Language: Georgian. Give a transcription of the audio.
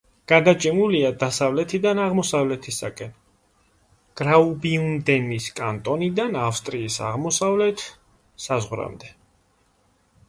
გადაჭიმულია დასავლეთიდან აღმოსავლეთისაკენ გრაუბიუნდენის კანტონიდან ავსტრიის აღმოსავლეთ საზღვრამდე.